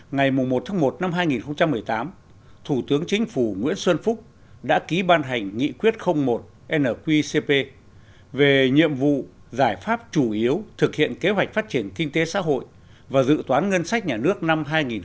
ngày một một hai nghìn một mươi tám thủ tướng chính phủ nguyễn xuân phúc đã ký ban hành nghị quyết một nqcp về nhiệm vụ giải pháp chủ yếu thực hiện kế hoạch phát triển kinh tế xã hội và dự toán ngân sách nhà nước năm hai nghìn một mươi chín